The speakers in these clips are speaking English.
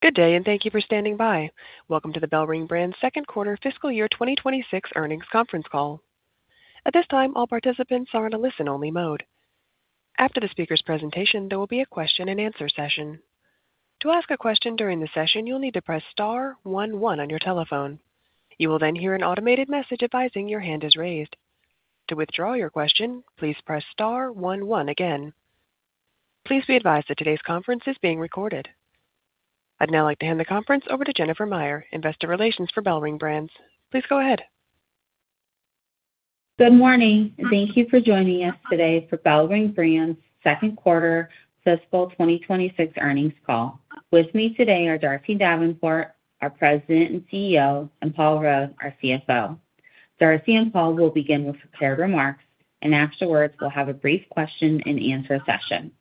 Good day, and thank you for standing by. Welcome to the BellRing Brands second quarter fiscal year 2026 earnings conference call. I'd now like to hand the conference over to Jennifer Meyer, Investor Relations for BellRing Brands. Please go ahead. Good morning, thank you for joining us today for BellRing Brands second quarter fiscal 2026 earnings call. With me today are Darcy Davenport, our President and CEO, and Paul Rode, our CFO. Darcy and Paul will begin with prepared remarks, and afterwards, we'll have a brief question-and-answer session.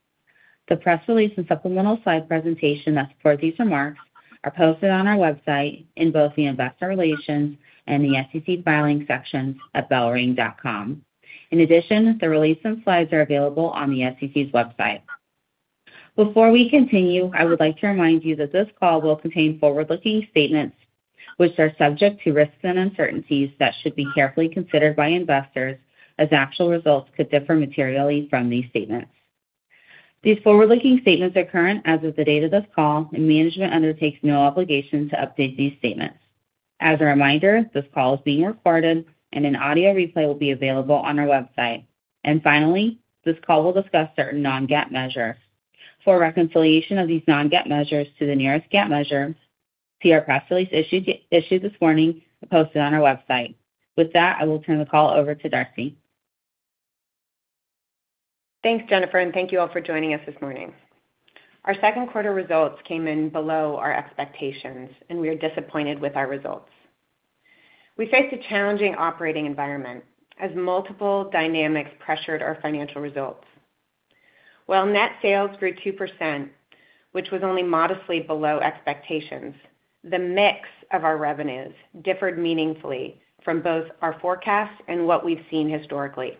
The press release and supplemental slide presentation that support these remarks are posted on our website in both the investor relations and the SEC filings sections at bellring.com. The release and slides are available on the SEC's website. I would like to remind you that this call will contain forward-looking statements which are subject to risks and uncertainties that should be carefully considered by investors, as actual results could differ materially from these statements. These forward-looking statements are current as of the date of this call. Management undertakes no obligation to update these statements. As a reminder, this call is being recorded and an audio replay will be available on our website. Finally, this call will discuss certain non-GAAP measures. For a reconciliation of these non-GAAP measures to the nearest GAAP measure, see our press release issued this morning, posted on our website. With that, I will turn the call over to Darcy. Thanks, Jennifer, and thank you all for joining us this morning. Our second quarter results came in below our expectations, and we are disappointed with our results. We face a challenging operating environment as multiple dynamics pressured our financial results. While net sales grew 2%, which was only modestly below expectations, the mix of our revenues differed meaningfully from both our forecast and what we've seen historically.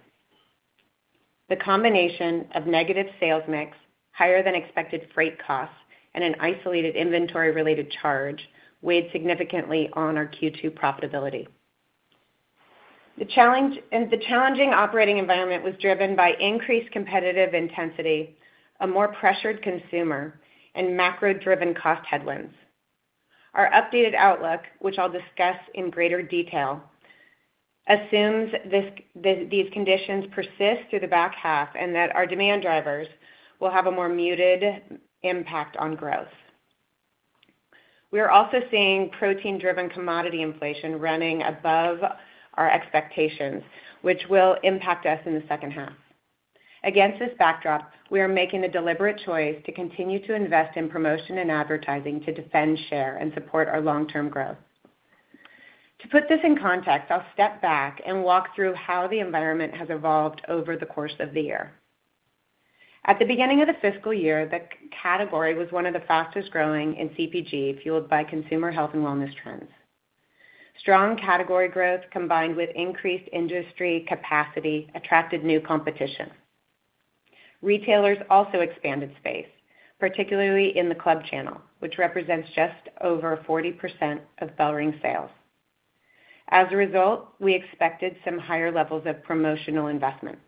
The combination of negative sales mix, higher than expected freight costs, and an isolated inventory-related charge weighed significantly on our Q2 profitability. The challenging operating environment was driven by increased competitive intensity, a more pressured consumer, and macro-driven cost headwinds. Our updated outlook, which I'll discuss in greater detail, assumes these conditions persist through the back half, and that our demand drivers will have a more muted impact on growth. We are also seeing protein-driven commodity inflation running above our expectations, which will impact us in the second half. Against this backdrop, we are making a deliberate choice to continue to invest in promotion and advertising to defend share and support our long-term growth. To put this in context, I'll step back and walk through how the environment has evolved over the course of the year. At the beginning of the fiscal year, the category was one of the fastest-growing in CPG, fueled by consumer health and wellness trends. Strong category growth combined with increased industry capacity attracted new competition. Retailers also expanded space, particularly in the club channel, which represents just over 40% of BellRing sales. As a result, we expected some higher levels of promotional investment.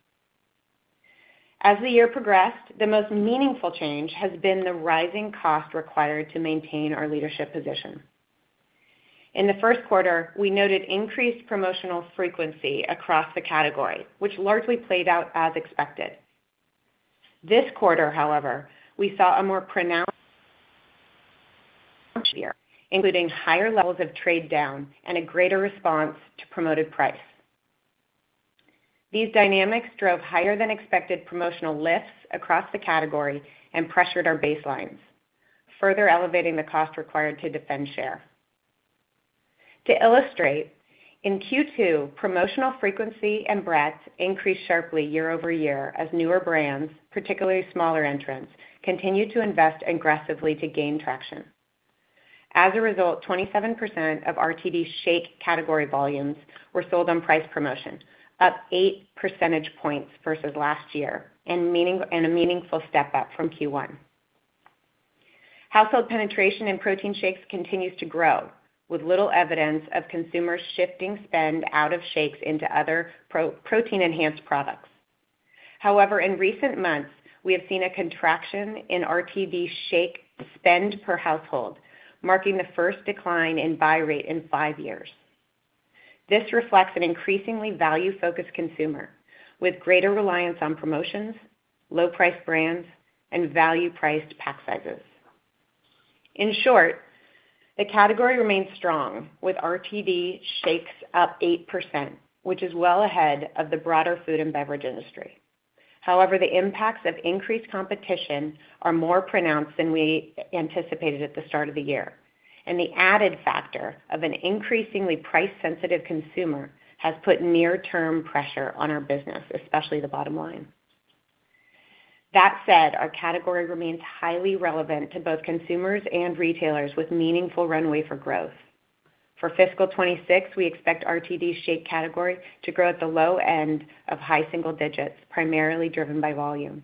As the year progressed, the most meaningful change has been the rising cost required to maintain our leadership position. In the first quarter, we noted increased promotional frequency across the category, which largely played out as expected. This quarter, however, we saw a more pronounced including higher levels of trade down and a greater response to promoted price. These dynamics drove higher than expected promotional lifts across the category and pressured our baselines, further elevating the cost required to defend share. To illustrate, in Q2, promotional frequency and breadth increased sharply year-over-year as newer brands, particularly smaller entrants, continued to invest aggressively to gain traction. As a result, 27% of RTD shake category volumes were sold on price promotion, up 8 percentage points versus last year in a meaningful step-up from Q1. Household penetration in protein shakes continues to grow, with little evidence of consumers shifting spend out of shakes into other protein-enhanced products. However, in recent months, we have seen a contraction in RTD shake spend per household, marking the first decline in buy rate in five years. This reflects an increasingly value-focused consumer with greater reliance on promotions, low-priced brands, and value-priced pack sizes. In short, the category remains strong with RTD shakes up 8%, which is well ahead of the broader food and beverage industry. However, the impacts of increased competition are more pronounced than we anticipated at the start of the year, and the added factor of an increasingly price-sensitive consumer has put near-term pressure on our business, especially the bottom line. That said, our category remains highly relevant to both consumers and retailers with meaningful runway for growth. For fiscal 2026, we expect RTD shake category to grow at the low end of high single digits, primarily driven by volume.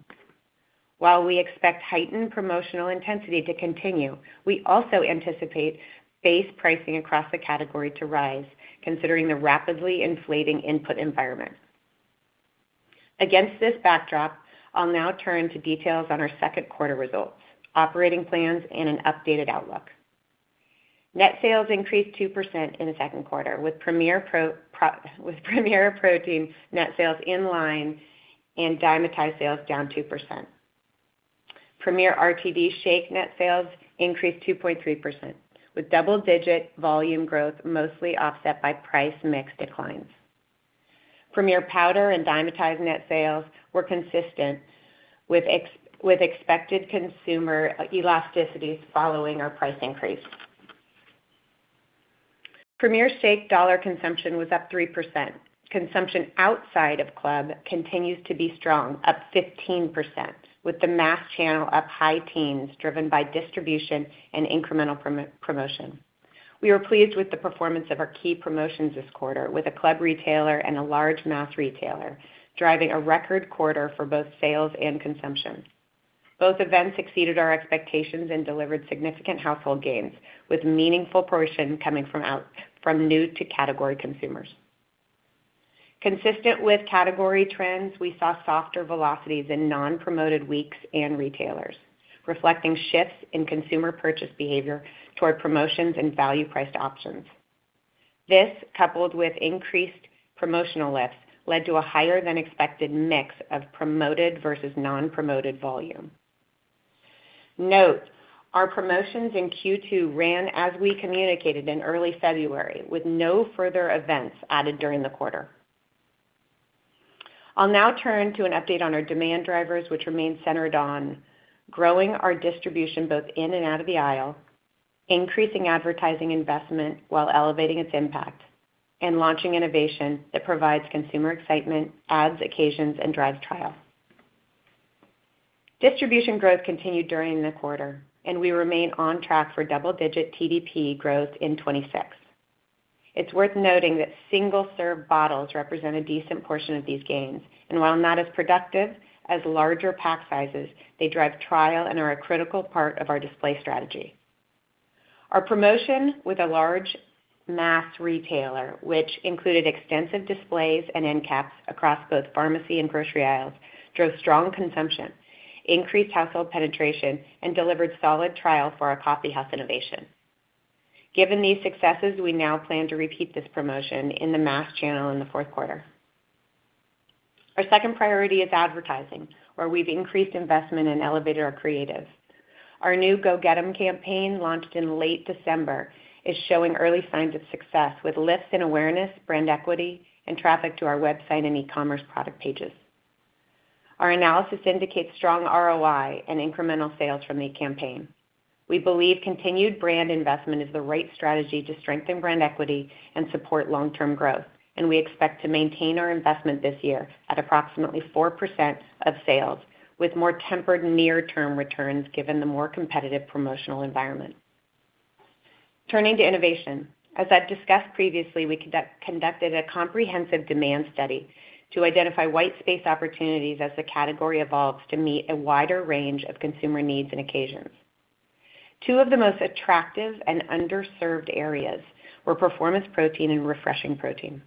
While we expect heightened promotional intensity to continue, we also anticipate base pricing across the category to rise considering the rapidly inflating input environment. Against this backdrop, I'll now turn to details on our second quarter results, operating plans, and an updated outlook. Net sales increased 2% in the second quarter with Premier Protein net sales in line and Dymatize sales down 2%. Premier RTD shake net sales increased 2.3% with double-digit volume growth mostly offset by price mix declines. Premier powder and Dymatize net sales were consistent with expected consumer elasticities following our price increase. Premier shake dollar consumption was up 3%. Consumption outside of club continues to be strong, up 15%, with the mass channel up high-teens driven by distribution and incremental promotion. We were pleased with the performance of our key promotions this quarter with a club retailer and a large mass retailer driving a record quarter for both sales and consumption. Both events exceeded our expectations and delivered significant household gains, with meaningful portion coming from new to category consumers. Consistent with category trends, we saw softer velocities in non-promoted weeks and retailers, reflecting shifts in consumer purchase behavior toward promotions and value-priced options. This, coupled with increased promotional lifts, led to a higher than expected mix of promoted versus non-promoted volume. Note, our promotions in Q2 ran as we communicated in early February with no further events added during the quarter. I'll now turn to an update on our demand drivers, which remain centered on growing our distribution both in and out of the aisle, increasing advertising investment while elevating its impact, and launching innovation that provides consumer excitement, adds occasions, and drives trial. Distribution growth continued during the quarter. We remain on track for double-digit TDP growth in 2026. It's worth noting that single-serve bottles represent a decent portion of these gains, and while not as productive as larger pack sizes, they drive trial and are a critical part of our display strategy. Our promotion with a large mass retailer, which included extensive displays and end caps across both pharmacy and grocery aisles, drove strong consumption, increased household penetration, and delivered solid trial for our Coffeehouse innovation. Given these successes, we now plan to repeat this promotion in the mass channel in the fourth quarter. Our second priority is advertising, where we've increased investment and elevated our creative. Our new Go Get 'Em campaign, launched in late December, is showing early signs of success with lifts in awareness, brand equity, and traffic to our website and e-commerce product pages. Our analysis indicates strong ROI and incremental sales from the campaign. We believe continued brand investment is the right strategy to strengthen brand equity and support long-term growth, and we expect to maintain our investment this year at approximately 4% of sales, with more tempered near-term returns given the more competitive promotional environment. Turning to innovation. As I've discussed previously, we conducted a comprehensive demand study to identify white space opportunities as the category evolves to meet a wider range of consumer needs and occasions. Two of the most attractive and underserved areas were performance protein and refreshing protein.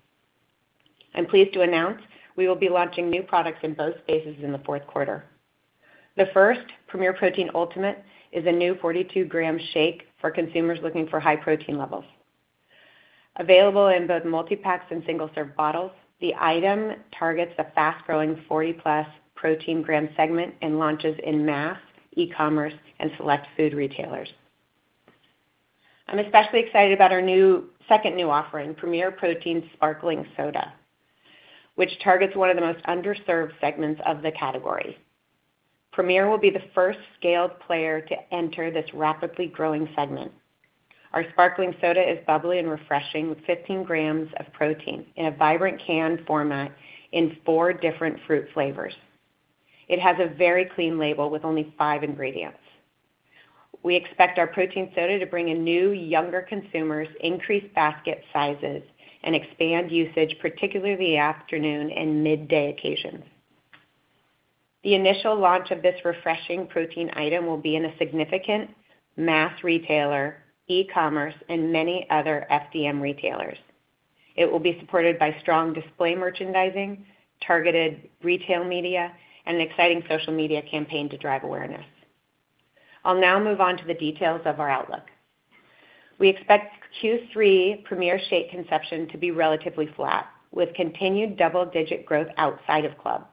I'm pleased to announce we will be launching new products in both spaces in the fourth quarter. The first, Premier Protein Ultimate, is a new 42 g shake for consumers looking for high protein levels. Available in both multi-packs and single-serve bottles, the item targets the fast-growing 40+ protein gram segment and launches in mass, e-commerce, and select food retailers. I'm especially excited about our second new offering, Premier Protein Sparkling Soda, which targets one of the most underserved segments of the category. Premier will be the first scaled player to enter this rapidly growing segment. Our sparkling soda is bubbly and refreshing with 15 g of protein in a vibrant can format in 4 different fruit flavors. It has a very clean label with only 5 ingredients. We expect our protein soda to bring in new, younger consumers, increase basket sizes, and expand usage, particularly the afternoon and midday occasions. The initial launch of this refreshing protein item will be in a significant mass retailer, e-commerce, and many other FDM retailers. It will be supported by strong display merchandising, targeted retail media, and an exciting social media campaign to drive awareness. I'll now move on to the details of our outlook. We expect Q3 Premier shake consumption to be relatively flat, with continued double-digit growth outside of club.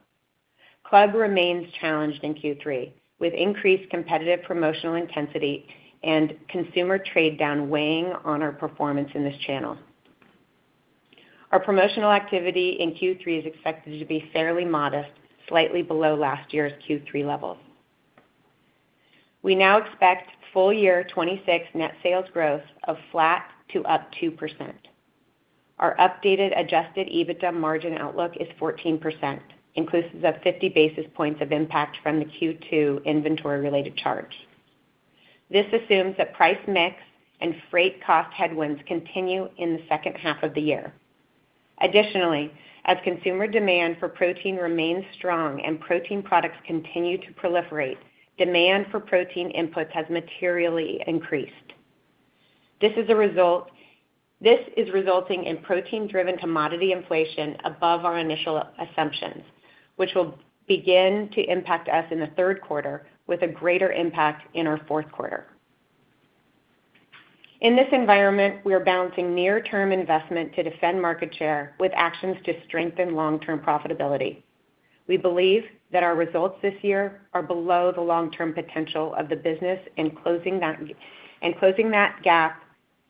Club remains challenged in Q3, with increased competitive promotional intensity and consumer trade-down weighing on our performance in this channel. Our promotional activity in Q3 is expected to be fairly modest, slightly below last year's Q3 levels. We now expect full year 2026 net sales growth of flat to up 2%. Our updated adjusted EBITDA margin outlook is 14%, inclusive of 50 basis points of impact from the Q2 inventory-related charge. This assumes that price mix and freight cost headwinds continue in the second half of the year. As consumer demand for protein remains strong and protein products continue to proliferate, demand for protein inputs has materially increased. This is resulting in protein-driven commodity inflation above our initial assumptions, which will begin to impact us in the third quarter with a greater impact in our fourth quarter. In this environment, we are balancing near-term investment to defend market share with actions to strengthen long-term profitability. We believe that our results this year are below the long-term potential of the business, closing that gap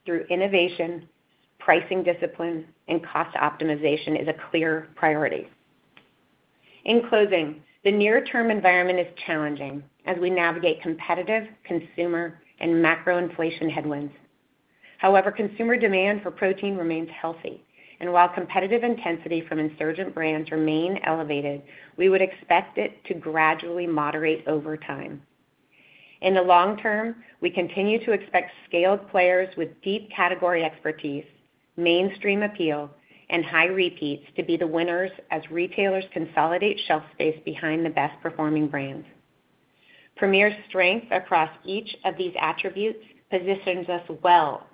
through innovation, pricing discipline, and cost optimization is a clear priority. In closing, the near-term environment is challenging as we navigate competitive, consumer and macro inflation headwinds. Consumer demand for protein remains healthy. While competitive intensity from insurgent brands remains elevated, we would expect it to gradually moderate over time. In the long term, we continue to expect scaled players with deep category expertise, mainstream appeal, and high repeats to be the winners as retailers consolidate shelf space behind the best-performing brands. Premier's strength across each of these attributes positions us well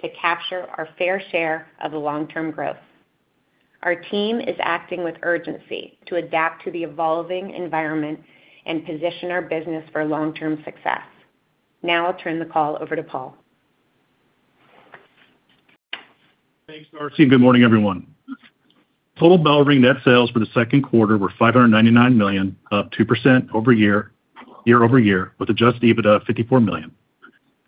to capture our fair share of the long-term growth. Our team is acting with urgency to adapt to the evolving environment and position our business for long-term success. Now I'll turn the call over to Paul. Thanks, Darcy. Good morning, everyone. Total BellRing net sales for the second quarter were $599 million, up 2% year-over-year, with adjusted EBITDA of $54 million.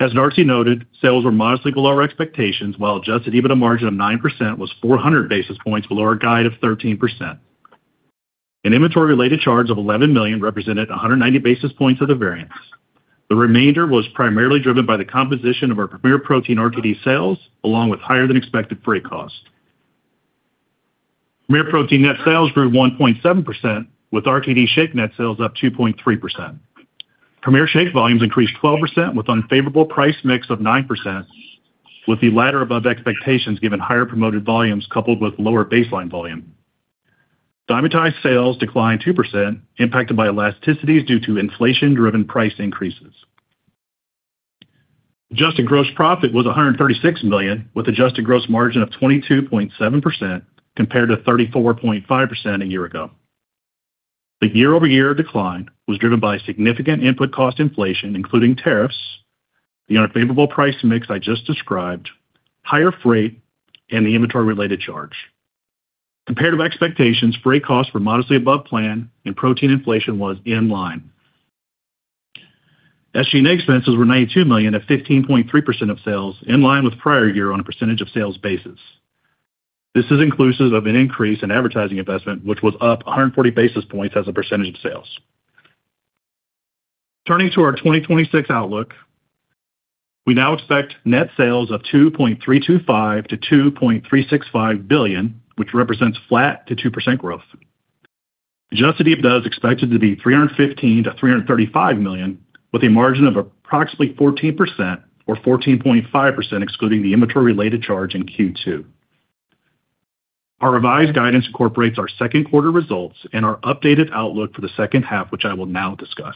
As Darcy noted, sales were modestly below our expectations, while adjusted EBITDA margin of 9% was 400 basis points below our guide of 13%. An inventory-related charge of $11 million represented 190 basis points of the variance. The remainder was primarily driven by the composition of our Premier Protein RTD sales, along with higher-than-expected freight costs. Premier Protein net sales grew 1.7% with RTD shake net sales up 2.3%. Premier shake volumes increased 12% with unfavorable price mix of 9%, with the latter above expectations given higher promoted volumes coupled with lower baseline volume. Dymatize sales declined 2%, impacted by elasticities due to inflation-driven price increases. Adjusted gross profit was $136 million, with adjusted gross margin of 22.7% compared to 34.5% a year ago. The year-over-year decline was driven by significant input cost inflation, including tariffs, the unfavorable price mix I just described, higher freight, and the inventory-related charge. Comparative expectations, freight costs were modestly above plan and protein inflation was in line. SG&A expenses were $92 million at 15.3% of sales, in line with prior year on a percentage of sales basis. This is inclusive of an increase in advertising investment, which was up 140 basis points as a percentage of sales. Turning to our 2026 outlook, we now expect net sales of $2.325 billion-$2.365 billion, which represents flat to 2% growth. Adjusted EBITDA is expected to be $315 million-$335 million, with a margin of approximately 14% or 14.5%, excluding the inventory-related charge in Q2. Our revised guidance incorporates our second quarter results and our updated outlook for the second half, which I will now discuss.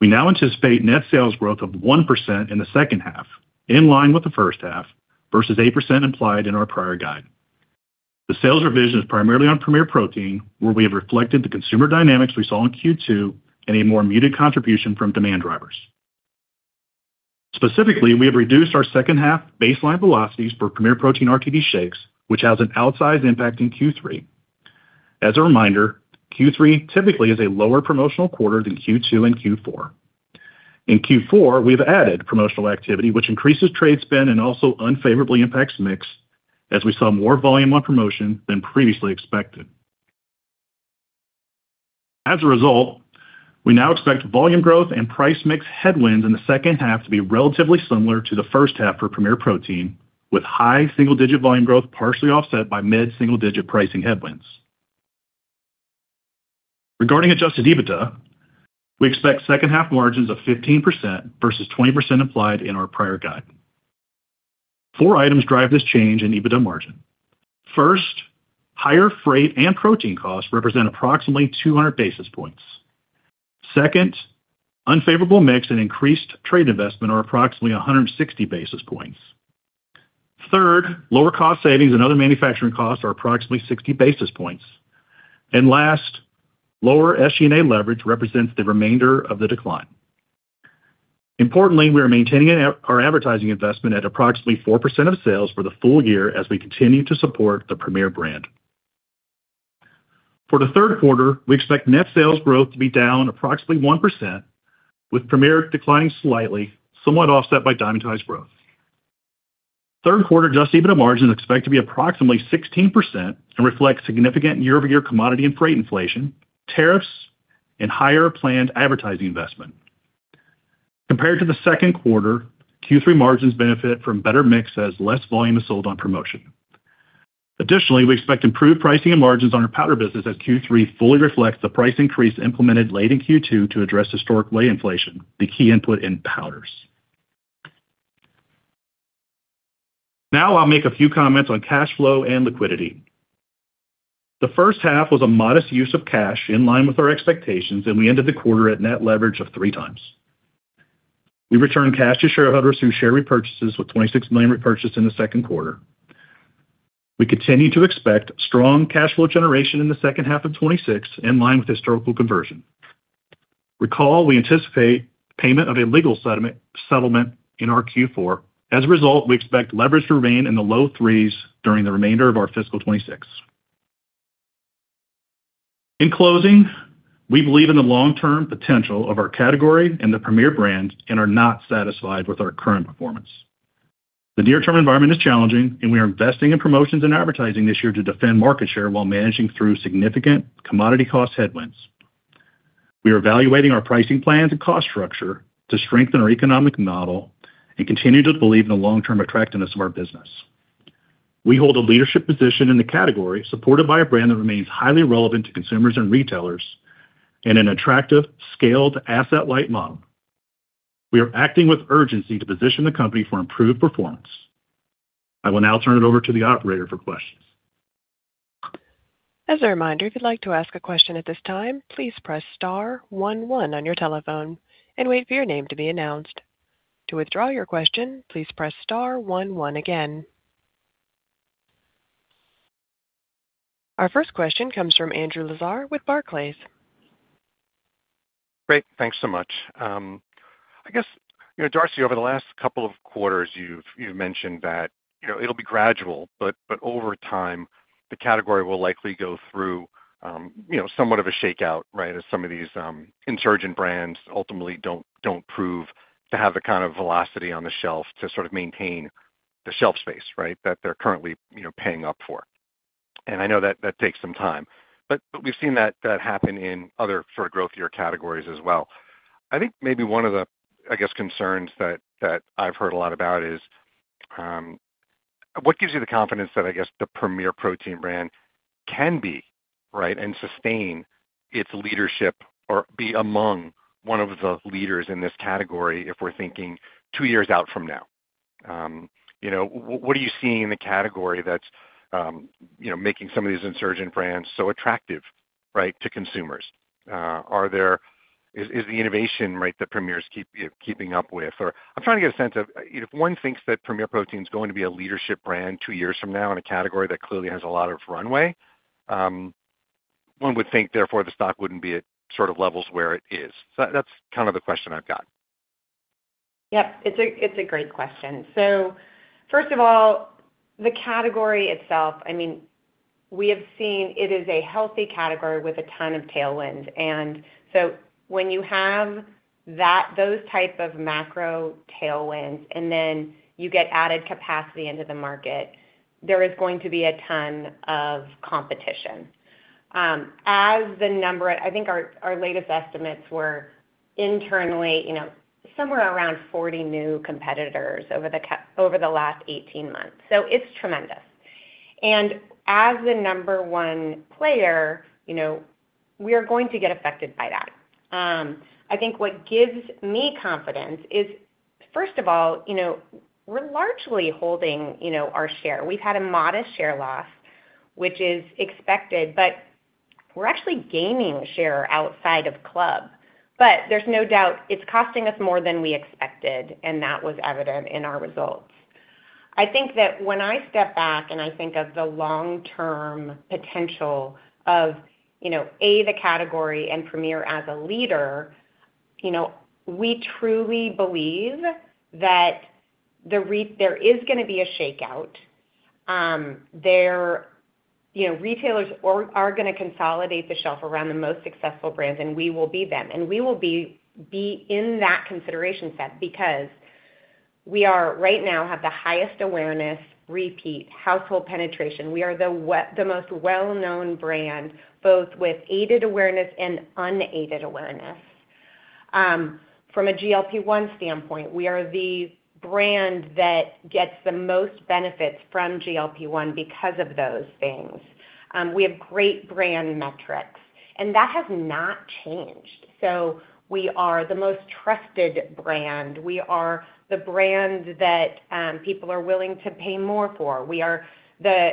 We now anticipate net sales growth of 1% in the second half, in line with the first half, versus 8% implied in our prior guide. The sales revision is primarily on Premier Protein, where we have reflected the consumer dynamics we saw in Q2 and a more muted contribution from demand drivers. Specifically, we have reduced our second-half baseline velocities for Premier Protein RTD shakes, which has an outsized impact in Q3. As a reminder, Q3 typically is a lower promotional quarter than Q2 and Q4. In Q4, we've added promotional activity, which increases trade spend and also unfavorably impacts mix as we saw more volume on promotion than previously expected. We now expect volume growth and price mix headwinds in the second half to be relatively similar to the first half for Premier Protein, with high single-digit volume growth partially offset by mid-single digit pricing headwinds. Regarding adjusted EBITDA, we expect second half margins of 15% versus 20% implied in our prior guide. Four items drive this change in EBITDA margin. Higher freight and protein costs represent approximately 200 basis points. Second, unfavorable mix and increased trade investment are approximately 160 basis points. Third, lower cost savings and other manufacturing costs are approximately 60 basis points. Last, lower SG&A leverage represents the remainder of the decline. Importantly, we are maintaining our advertising investment at approximately 4% of sales for the full year as we continue to support the Premier brand. For the third quarter, we expect net sales growth to be down approximately 1%, with Premier declining slightly, somewhat offset by Dymatize growth. Third quarter adjusted EBITDA margin is expected to be approximately 16% and reflect significant year-over-year commodity and freight inflation, tariffs, and higher planned advertising investment. Compared to the second quarter, Q3 margins benefit from better mix as less volume is sold on promotion. Additionally, we expect improved pricing and margins on our powder business as Q3 fully reflects the price increase implemented late in Q2 to address historic whey inflation, the key input in powders. Now I'll make a few comments on cash flow and liquidity. The first half was a modest use of cash in line with our expectations, and we ended the quarter at net leverage of 3x. We returned cash to shareholders through share repurchases with $26 million repurchased in the second quarter. We continue to expect strong cash flow generation in the second half of 2026 in line with historical conversion. Recall, we anticipate payment of a legal settlement in our Q4. As a result, we expect leverage to remain in the low 3s during the remainder of our fiscal 2026. In closing, we believe in the long-term potential of our category and the Premier brand and are not satisfied with our current performance. The near-term environment is challenging, and we are investing in promotions and advertising this year to defend market share while managing through significant commodity cost headwinds. We are evaluating our pricing plans and cost structure to strengthen our economic model and continue to believe in the long-term attractiveness of our business. We hold a leadership position in the category supported by a brand that remains highly relevant to consumers and retailers and an attractive, scaled asset-light model. We are acting with urgency to position the company for improved performance. I will now turn it over to the operator for questions. As a reminder, if you'd like to ask a question at this time, please press star one one on your telephone and wait for your name to be announced. To withdraw your question, please press star one one again. Our first question comes from Andrew Lazar with Barclays. Great. Thanks so much. I guess, you know, Darcy, over the last couple of quarters, you've mentioned that, you know, it'll be gradual, but over time, the category will likely go through, you know, somewhat of a shakeout, right? As some of these insurgent brands ultimately don't prove to have the kind of velocity on the shelf to sort of maintain the shelf space, right? That they're currently, you know, paying up for. I know that takes some time. We've seen that happen in other sort of growthier categories as well. I think maybe one of the, I guess, concerns that I've heard a lot about is, what gives you the confidence that, I guess, the Premier Protein brand can be, right, and sustain its leadership or be among one of the leaders in this category if we're thinking two years out from now? You know, what are you seeing in the category that's, you know, making some of these insurgent brands so attractive, right, to consumers? Is the innovation, right, that Premier's keeping up with, or I'm trying to get a sense of if one thinks that Premier Protein is going to be a leadership brand two years from now in a category that clearly has a lot of runway, one would think therefore the stock wouldn't be at sort of levels where it is. That's kind of the question I've got. Yep. It's a great question. First of all, the category itself, I mean, we have seen it is a healthy category with a ton of tailwinds. When you have those type of macro tailwinds, then you get added capacity into the market, there is going to be a ton of competition. As the number, I think our latest estimates were internally, you know, somewhere around 40 new competitors over the last 18 months. It's tremendous. As the number one player, you know, we are going to get affected by that. I think what gives me confidence is, first of all, you know, we're largely holding, you know, our share. We've had a modest share loss, which is expected, but we're actually gaining share outside of club. There's no doubt it's costing us more than we expected, and that was evident in our results. I think that when I step back and I think of the long-term potential of, you know, A, the category and Premier as a leader, you know, we truly believe that there is gonna be a shakeout. There, you know, retailers are gonna consolidate the shelf around the most successful brands, and we will be them. We will be in that consideration set because we are right now have the highest awareness, repeat household penetration. We are the most well-known brand, both with aided awareness and unaided awareness. From a GLP-1 standpoint, we are the brand that gets the most benefits from GLP-1 because of those things. We have great brand metrics, and that has not changed. We are the most trusted brand. We are the brand that people are willing to pay more for. We are the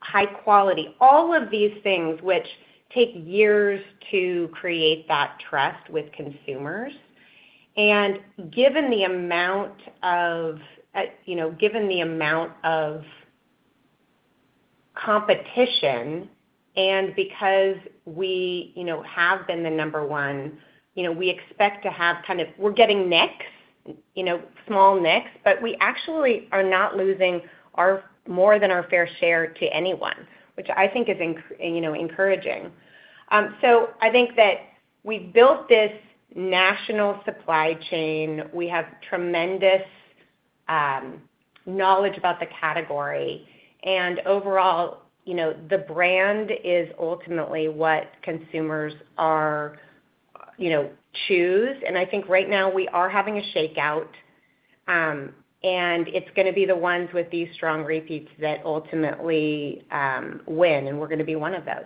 high quality. All of these things which take years to create that trust with consumers. Given the amount of given the amount of competition and because we have been the number one, we expect to have we're getting nicks, small nicks, but we actually are not losing more than our fair share to anyone, which I think is encouraging. I think that we've built this national supply chain. We have tremendous knowledge about the category and overall, the brand is ultimately what consumers are choose. I think right now we are having a shakeout, and it's gonna be the ones with these strong repeats that ultimately win, and we're gonna be one of those.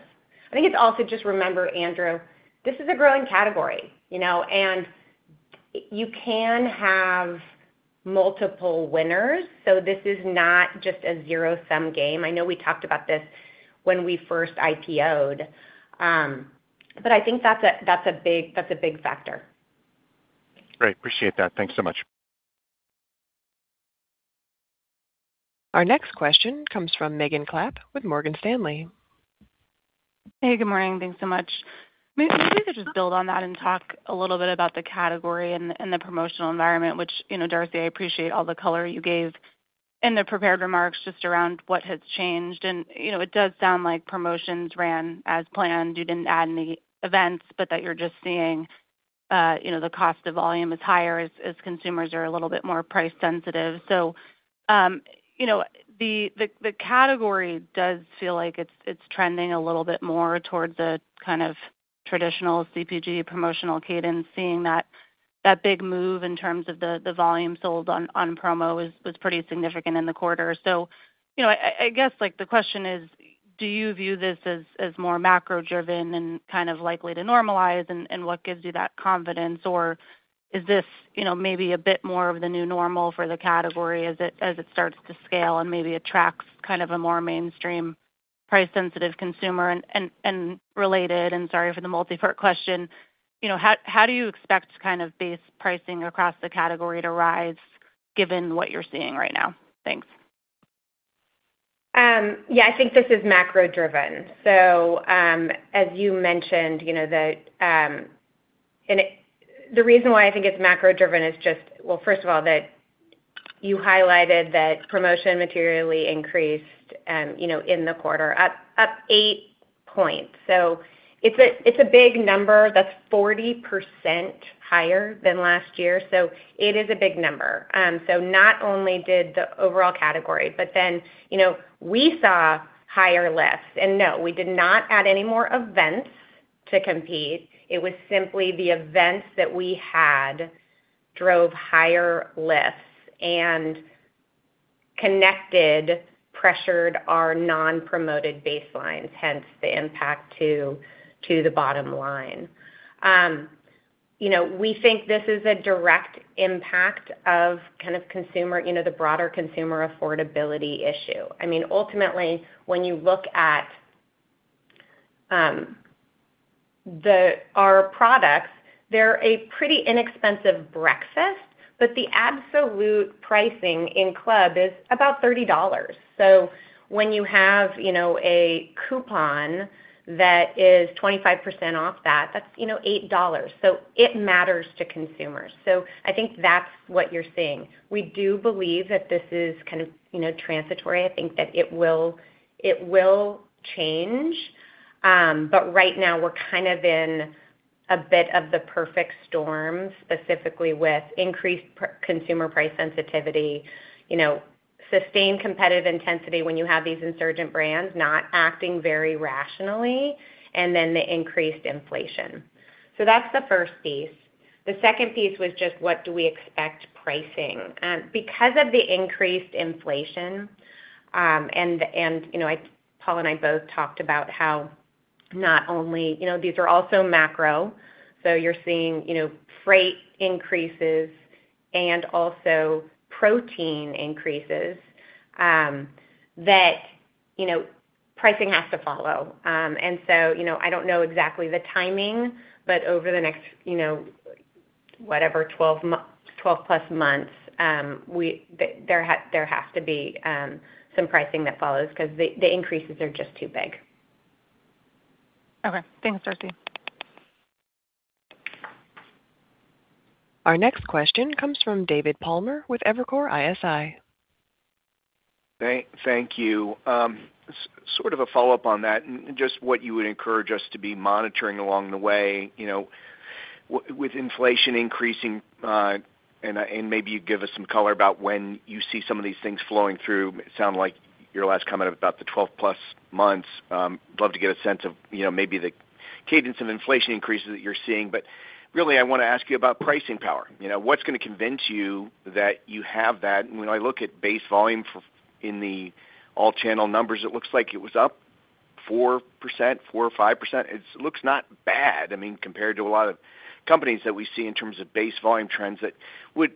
I think it's also just remember, Andrew, this is a growing category, you know. You can have multiple winners. This is not just a zero-sum game. I know we talked about this when we first IPO'd. I think that's a big factor. Great. Appreciate that. Thanks so much. Our next question comes from Megan Clapp with Morgan Stanley. Hey, good morning. Thanks so much. Maybe if you could just build on that and talk a little bit about the category and the promotional environment, which, you know, Darcy, I appreciate all the color you gave in the prepared remarks just around what has changed. You know, it does sound like promotions ran as planned. You didn't add any events, but that you're just seeing, you know, the cost of volume is higher as consumers are a little bit more price sensitive. You know, the category does feel like it's trending a little bit more towards a kind of traditional CPG promotional cadence, seeing that big move in terms of the volume sold on promo was pretty significant in the quarter. You know, I guess, like, the question is, do you view this as more macro driven and kind of likely to normalize, and what gives you that confidence? Or is this, you know, maybe a bit more of the new normal for the category as it starts to scale and maybe attracts kind of a more mainstream price-sensitive consumer? Related, and sorry for the multi-part question, you know, how do you expect kind of base pricing across the category to rise given what you're seeing right now? Thanks. Yeah, I think this is macro driven. As you mentioned, you know, the reason why I think it's macro driven is just, well, first of all, that you highlighted that promotion materially increased, you know, in the quarter, up 8 points. It's a big number. That's 40% higher than last year. It is a big number. Not only did the overall category, you know, we saw higher lifts. No, we did not add any more events to compete. It was simply the events that we had drove higher lifts and connected, pressured our non-promoted baselines, hence the impact to the bottom line. You know, we think this is a direct impact of kind of consumer, you know, the broader consumer affordability issue. I mean, ultimately, when you look at our products, they're a pretty inexpensive breakfast, but the absolute pricing in club is about $30. When you have, you know, a coupon that is 25% off that's, you know, $8. It matters to consumers. I think that's what you're seeing. We do believe that this is kind of, you know, transitory. I think that it will change. But right now we're kind of in a bit of the perfect storm, specifically with increased consumer price sensitivity, you know, sustained competitive intensity when you have these insurgent brands not acting very rationally, and then the increased inflation. That's the first piece. The second piece was just what do we expect pricing. Because of the increased inflation, and the, you know, Paul and I both talked about how You know, these are also macro. You're seeing, you know, freight increases and also protein increases, that, you know, pricing has to follow. You know, I don't know exactly the timing, but over the next, you know, whatever, 12+ months, there has to be some pricing that follows because the increases are just too big. Okay. Thanks, Darcy. Our next question comes from David Palmer with Evercore ISI. Thank you. Sort of a follow-up on that and just what you would encourage us to be monitoring along the way, you know, with inflation increasing, and maybe you give us some color about when you see some of these things flowing through. It sound like your last comment about the 12+ months. Love to get a sense of, you know, maybe the cadence of inflation increases that you're seeing. Really, I wanna ask you about pricing power. You know, what's gonna convince you that you have that? When I look at base volume in the all channel numbers, it looks like it was up 4%, 4% or 5%. It looks not bad, I mean, compared to a lot of companies that we see in terms of base volume trends that would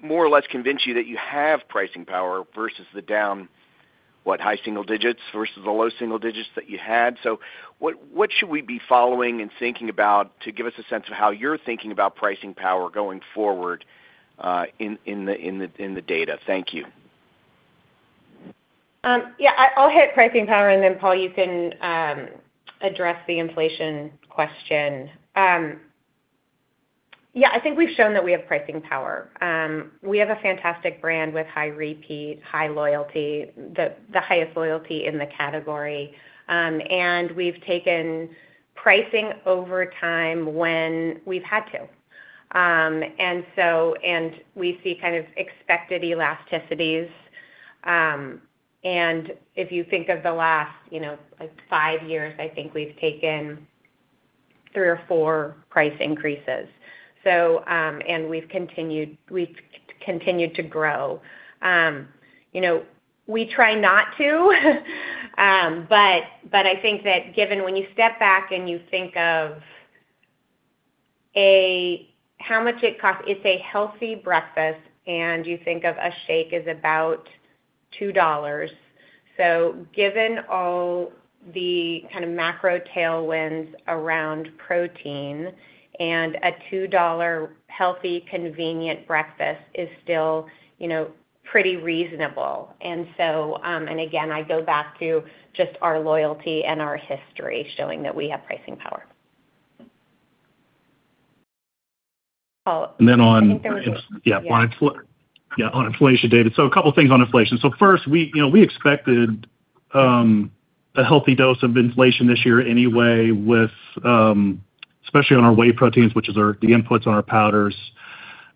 more or less convince you that you have pricing power versus the down, what, high single digits versus the low single digits that you had. What should we be following and thinking about to give us a sense of how you're thinking about pricing power going forward, in the data? Thank you. I'll hit pricing power and then Paul, you can address the inflation question. I think we've shown that we have pricing power. We have a fantastic brand with high repeat, high loyalty, the highest loyalty in the category. We've taken pricing over time when we've had to. We see kind of expected elasticities. If you think of the last, you know, like 5 years, I think we've taken 3 or 4 price increases. We've continued to grow. You know, we try not to, but I think that given when you step back and you think of how much it costs, it's a healthy breakfast, and you think of a shake is about $2. Given all the kind of macro tailwinds around protein and a $2 healthy, convenient breakfast is still, you know, pretty reasonable. I go back to just our loyalty and our history showing that we have pricing power. Paul, I think there was. On inflation, David. A couple of things on inflation. First, we, you know, we expected a healthy dose of inflation this year anyway with especially on our whey proteins, which is the inputs on our powders.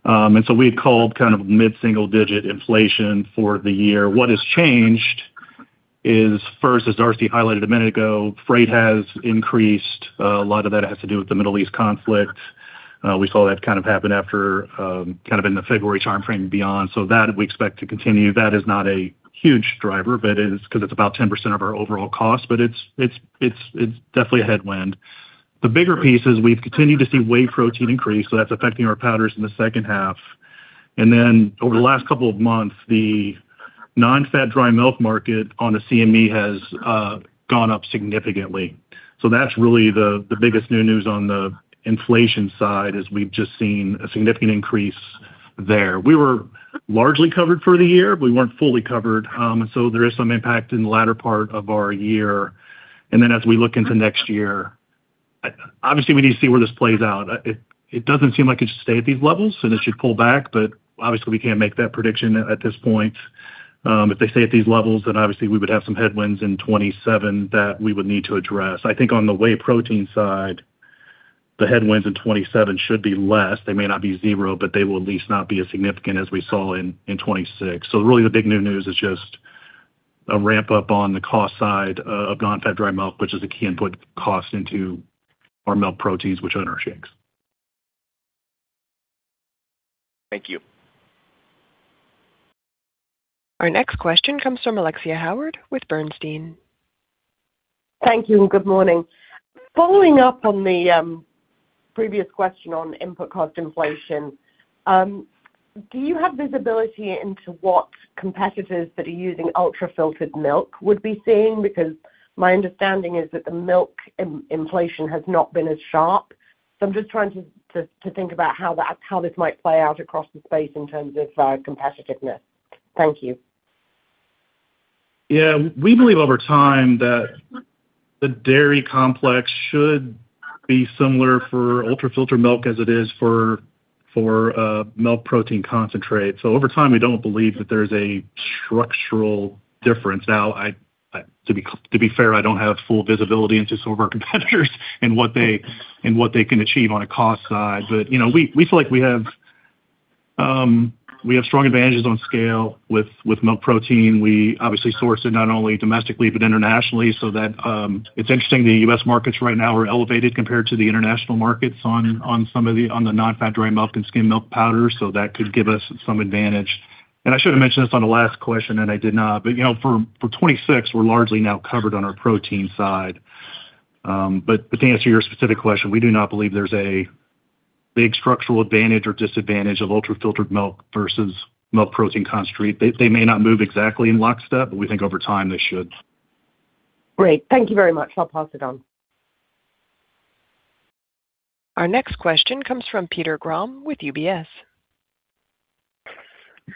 We had called kind of mid-single-digit inflation for the year. What has changed is, first, as Darcy highlighted a minute ago, freight has increased. A lot of that has to do with the Middle East conflict. We saw that kind of happen after in the February timeframe and beyond. That we expect to continue. That is not a huge driver, but it is because it's about 10% of our overall cost, but it's definitely a headwind. The bigger piece is we've continued to see whey protein increase, so that's affecting our powders in the second half. Over the last couple of months, the non-fat dry milk market on the CME has gone up significantly. That's really the biggest new news on the inflation side, is we've just seen a significant increase there. We were largely covered for the year, but we weren't fully covered. There is some impact in the latter part of our year. As we look into next year, obviously, we need to see where this plays out. It doesn't seem like it should stay at these levels, and it should pull back, but obviously, we can't make that prediction at this point. If they stay at these levels, obviously we would have some headwinds in 2027 that we would need to address. I think on the whey protein side, the headwinds in 2027 should be less. They may not be zero, but they will at least not be as significant as we saw in 2026. Really the big new news is just a ramp-up on the cost side of non-fat dry milk, which is a key input cost into our milk proteins, which are in our shakes. Thank you. Our next question comes from Alexia Howard with Bernstein. Thank you and good morning. Following up on the previous question on input cost inflation, do you have visibility into what competitors that are using ultra-filtered milk would be seeing? Because my understanding is that the milk inflation has not been as sharp. I'm just trying to think about how this might play out across the space in terms of competitiveness. Thank you. We believe over time that the dairy complex should be similar for ultra-filtered milk as it is for milk protein concentrate. Over time, we don't believe that there's a structural difference. To be fair, I don't have full visibility into some of our competitors and what they can achieve on a cost side. You know, we feel like we have strong advantages on scale with milk protein. We obviously source it not only domestically but internationally, it's interesting, the US markets right now are elevated compared to the international markets on some of the non-fat dry milk and skimmed milk powder, so that could give us some advantage. I should have mentioned this on the last question, and I did not. You know, for 2026, we're largely now covered on our protein side. To answer your specific question, we do not believe there's a big structural advantage or disadvantage of ultra-filtered milk versus milk protein concentrate. They may not move exactly in lockstep, but we think over time they should. Great. Thank you very much. I'll pass it on. Our next question comes from Peter Grom with UBS.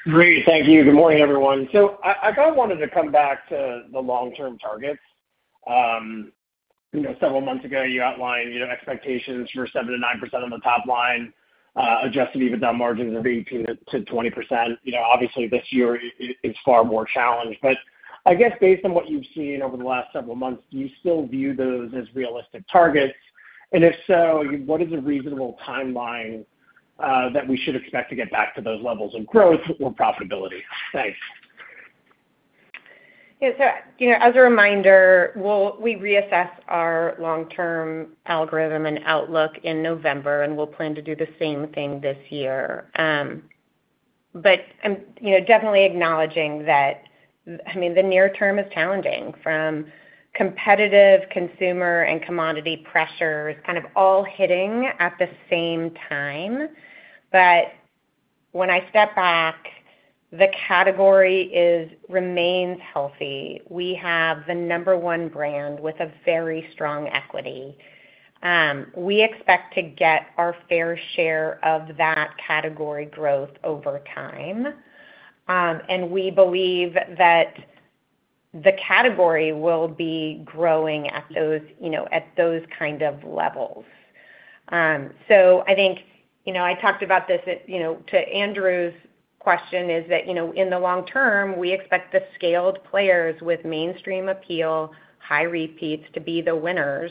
Great. Thank you. Good morning, everyone. I kind of wanted to come back to the long-term targets. you know, several months ago, you outlined, you know, expectations for 7%-9% on the top line, adjusted EBITDA margins of 18%-20%. You know, obviously, this year it's far more challenged. I guess based on what you've seen over the last several months, do you still view those as realistic targets? If so, what is a reasonable timeline that we should expect to get back to those levels of growth or profitability? Thanks. You know, as a reminder, we reassess our long-term algorithm and outlook in November, and we'll plan to do the same thing this year. You know, definitely acknowledging that, I mean, the near term is challenging from competitive consumer and commodity pressures kind of all hitting at the same time. When I step back, the category remains healthy. We have the number 1 brand with a very strong equity. We expect to get our fair share of that category growth over time. We believe that the category will be growing at those, you know, at those kind of levels. I think, you know, I talked about this at, you know, to Andrew's question, is that, in the long term, we expect the scaled players with mainstream appeal, high repeats, to be the winners.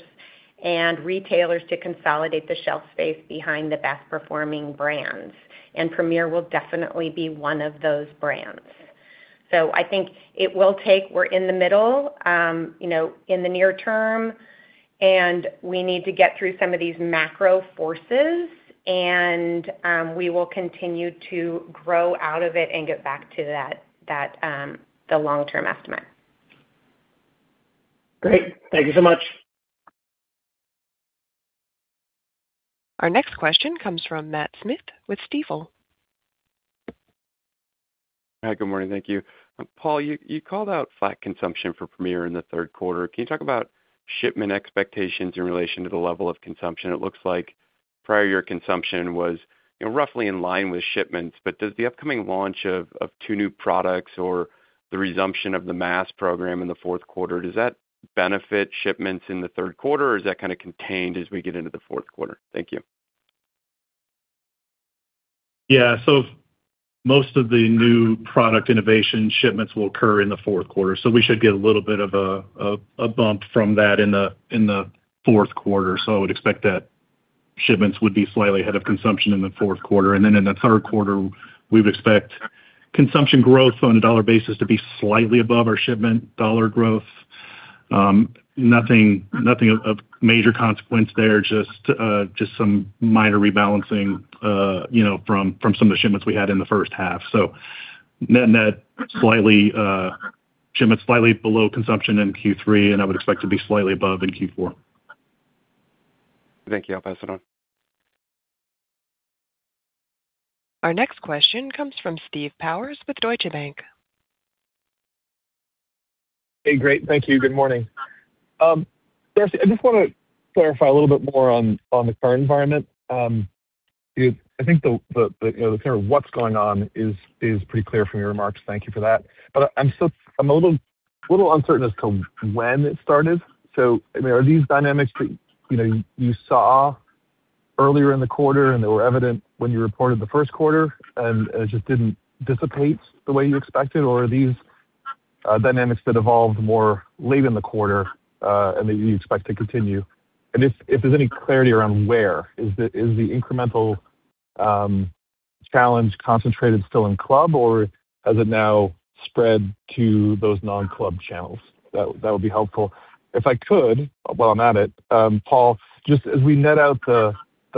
Retailers to consolidate the shelf space behind the best performing brands. Premier will definitely be one of those brands. I think we're in the middle, in the near term, and we need to get through some of these macro forces and we will continue to grow out of it and get back to that long-term estimate. Great. Thank you so much. Our next question comes from Matt Smith with Stifel. Hi, good morning. Thank you. Paul, you called out flat consumption for Premier in the third quarter. Can you talk about shipment expectations in relation to the level of consumption? It looks like prior consumption was, you know, roughly in line with shipments, but does the upcoming launch of two new products or the resumption of the mass program in the fourth quarter, does that benefit shipments in the third quarter, or is that kind of contained as we get into the fourth quarter? Thank you. Most of the new product innovation shipments will occur in the fourth quarter. We should get a little bit of a bump from that in the fourth quarter. I would expect that shipments would be slightly ahead of consumption in the fourth quarter. In the third quarter, we'd expect consumption growth on a dollar basis to be slightly above our shipment dollar growth. Nothing of major consequence there, just some minor rebalancing, you know, from some of the shipments we had in the first half. Net shipments slightly below consumption in Q3, and I would expect to be slightly above in Q4. Thank you. I'll pass it on. Our next question comes from Steve Powers with Deutsche Bank. Hey, great. Thank you. Good morning. Darcy, I just want to clarify a little bit more on the current environment. I think the, you know, the kind of what's going on is pretty clear from your remarks. Thank you for that. I'm still a little uncertain as to when it started. I mean, are these dynamics you know, you saw earlier in the quarter, and they were evident when you reported the first quarter, and just didn't dissipate the way you expected? Or are these dynamics that evolved more late in the quarter and that you expect to continue? If there's any clarity around where, is the incremental challenge concentrated still in club, or has it now spread to those non-club channels? That would be helpful. If I could, while I'm at it, Paul, just as we net out the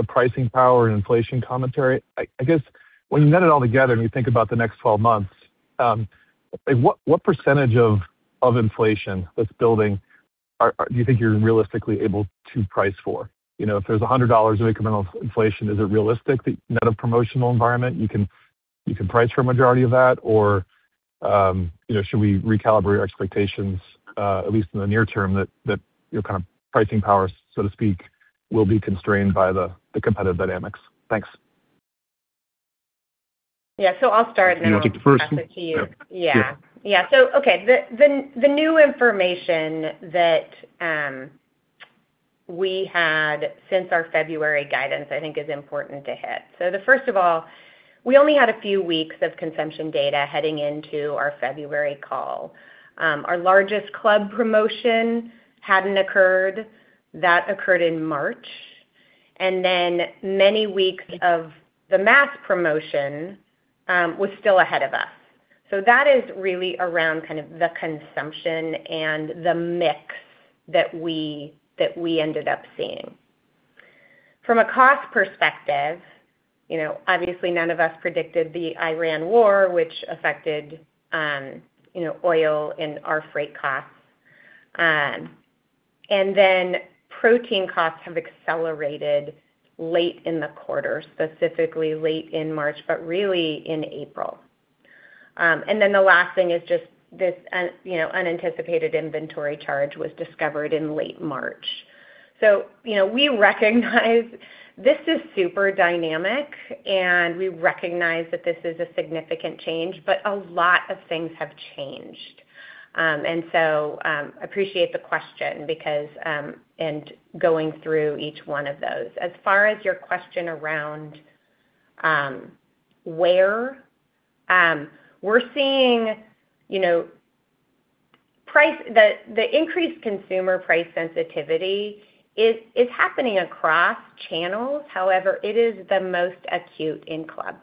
pricing power and inflation commentary, I guess when you net it all together and you think about the next 12 months, like what percentage of inflation that's building do you think you're realistically able to price for? You know, if there's $100 of incremental inflation, is it realistic that net of promotional environment, you can price for a majority of that? You know, should we recalibrate our expectations, at least in the near term that, you know, kind of pricing power, so to speak, will be constrained by the competitive dynamics? Thanks. Yeah. You want me to take the first- I'll pass it to you. Yeah. Yeah. Yeah. Okay. The new information that we had since our February guidance, I think is important to hit. The first of all, we only had a few weeks of consumption data heading into our February call. Our largest club promotion hadn't occurred. That occurred in March. Many weeks of the mass promotion was still ahead of us. That is really around kind of the consumption and the mix that we ended up seeing. From a cost perspective, you know, obviously none of us predicted the Iran war, which affected, you know, oil and our freight costs. Protein costs have accelerated late in the quarter, specifically late in March, but really in April. The last thing is just this, you know, unanticipated inventory charge was discovered in late March. We recognize this is super dynamic, and we recognize that this is a significant change, but a lot of things have changed. Appreciate the question. As far as your question around where we're seeing the increased consumer price sensitivity is happening across channels. However, it is the most acute in club.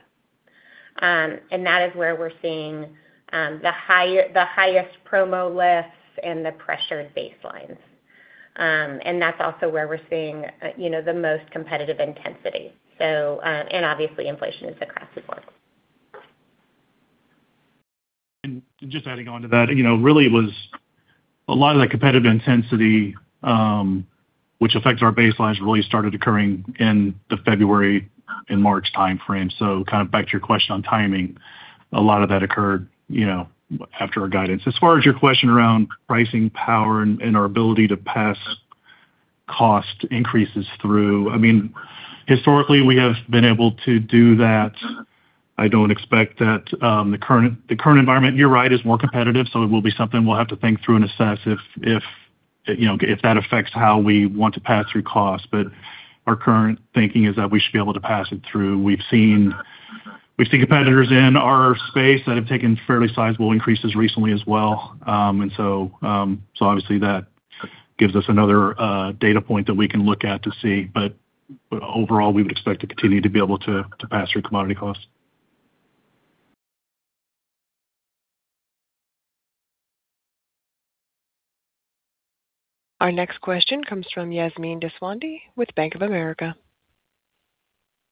That is where we're seeing the highest promo lifts and the pressured baselines. That's also where we're seeing the most competitive intensity. Obviously inflation is across the board. Just adding on to that, you know, really it was a lot of the competitive intensity, which affects our baselines really started occurring in the February and March timeframe. Kind of back to your question on timing, a lot of that occurred, you know, after our guidance. As far as your question around pricing power and our ability to pass cost increases through, I mean, historically, we have been able to do that. I don't expect that the current environment, you're right, is more competitive, so it will be something we'll have to think through and assess if, you know, if that affects how we want to pass through costs. Our current thinking is that we should be able to pass it through. We've seen competitors in our space that have taken fairly sizable increases recently as well. Obviously that gives us another data point that we can look at to see. Overall, we would expect to continue to be able to pass through commodity costs. Our next question comes from Yasmine Deswandhy with Bank of America.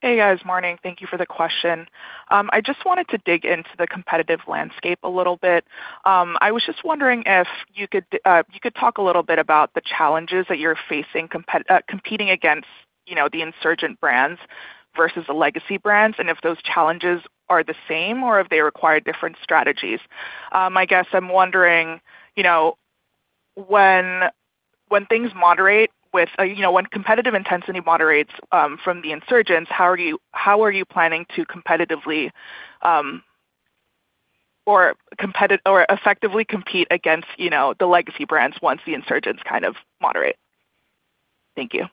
Hey, guys. Morning. Thank you for the question. I just wanted to dig into the competitive landscape a little bit. I was just wondering if you could talk a little bit about the challenges that you're facing competing against, you know, the insurgent brands versus the legacy brands, and if those challenges are the same or if they require different strategies. I guess I'm wondering, you know, when things moderate with You know, when competitive intensity moderates from the insurgents, how are you planning to competitively or effectively compete against, you know, the legacy brands once the insurgents kind of moderate? Thank you.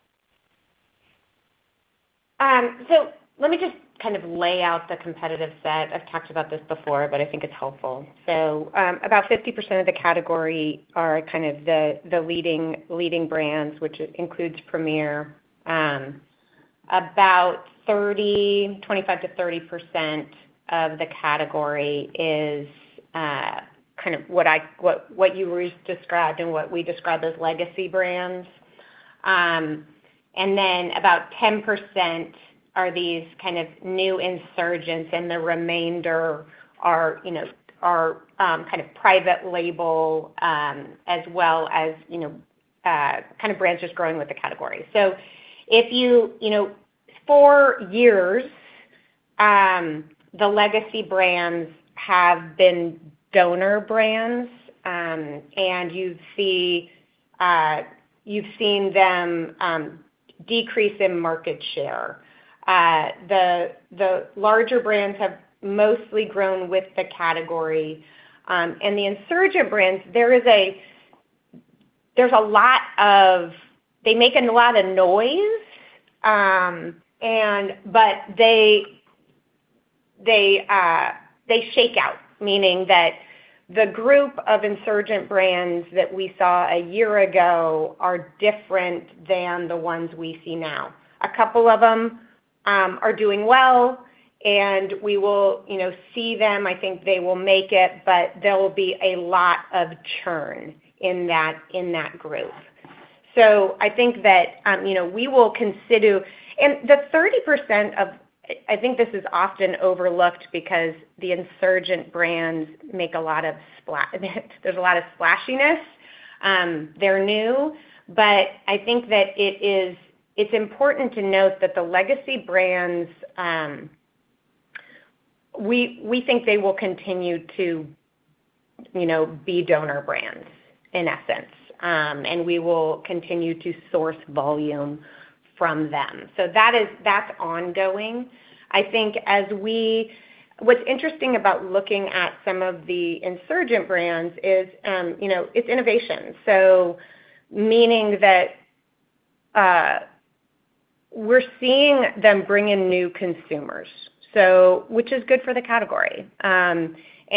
Let me just kind of lay out the competitive set. I've talked about this before, but I think it's helpful. About 50% of the category are kind of the leading brands, which includes Premier. About 25%-30% of the category is kind of what you described and what we describe as legacy brands. About 10% are these kind of new insurgents, and the remainder are, you know, kind of private label, as well as, you know, kind of brands just growing with the category. You know, for years, the legacy brands have been donor brands, and you see, you've seen them decrease in market share. The larger brands have mostly grown with the category. The insurgent brands, there's a lot of They make a lot of noise, and, but they shake out, meaning that the group of insurgent brands that we saw a year ago are different than the ones we see now. A couple of them are doing well, and we will, you know, see them. I think they will make it, but there will be a lot of churn in that group. I think that, you know, we will consider The 30% of I think this is often overlooked because the insurgent brands make a lot of there's a lot of splashiness. They're new. I think that it's important to note that the legacy brands, we think they will continue to, you know, be donor brands, in essence, and we will continue to source volume from them. That's ongoing. What's interesting about looking at some of the insurgent brands is, you know, it's innovation. Meaning that, we're seeing them bring in new consumers, which is good for the category.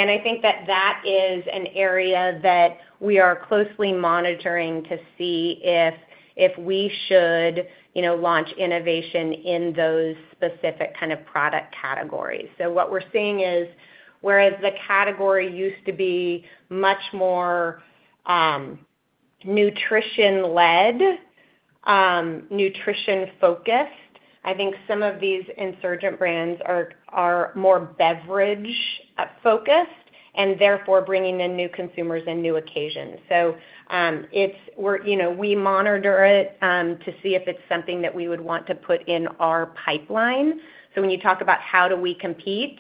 I think that that is an area that we are closely monitoring to see if we should, you know, launch innovation in those specific kind of product categories. What we're seeing is whereas the category used to be much more, nutrition led, nutrition focused, I think some of these insurgent brands are more beverage focused and therefore bringing in new consumers and new occasions. We're, you know, we monitor it, to see if it's something that we would want to put in our pipeline. When you talk about how do we compete,